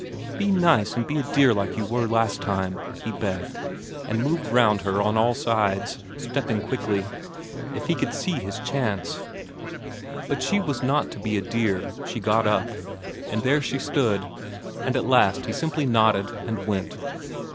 "Be nice and be a dear, like you were last time," he begged, and moved round her on all sides, stepping quickly, if he could see his chance. But she would not be a dear; she got up. And there she stood. And at that he simply nodded and went.